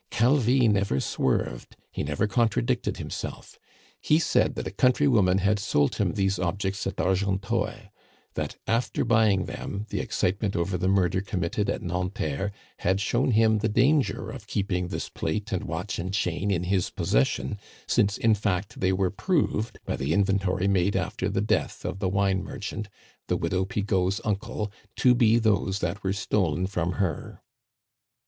Calvi never swerved, he never contradicted himself. He said that a country woman had sold him these objects at Argenteuil; that after buying them, the excitement over the murder committed at Nanterre had shown him the danger of keeping this plate and watch and chain in his possession, since, in fact, they were proved by the inventory made after the death of the wine merchant, the widow Pigeau's uncle, to be those that were stolen from her.